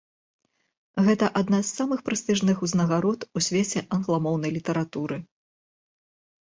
Гэта адна з самых прэстыжных узнагарод у свеце англамоўнай літаратуры.